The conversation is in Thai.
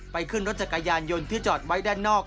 ขึ้นรถจักรยานยนต์ที่จอดไว้ด้านนอก